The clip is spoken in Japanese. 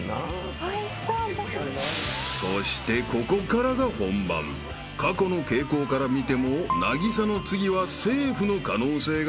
［そしてここからが本番過去の傾向から見ても凪咲の次はセーフの可能性が高いのだが］